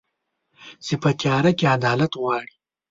چي په تیاره کي عدالت غواړي